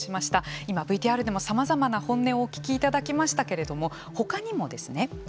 今ＶＴＲでも、さまざまな本音をお聞きいただきましたけれども他にもですね